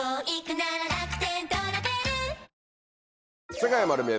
『世界まる見え！